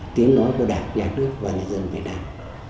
tiếng nói của đảng nhà nước và nhân dân việt nam